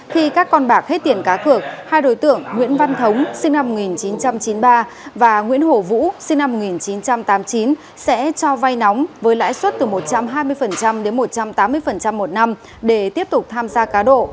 khi các con bạc hết tiền cá cược hai đối tượng nguyễn văn thống sinh năm một nghìn chín trăm chín mươi ba và nguyễn hổ vũ sinh năm một nghìn chín trăm tám mươi chín sẽ cho vay nóng với lãi suất từ một trăm hai mươi đến một trăm tám mươi một năm để tiếp tục tham gia cá độ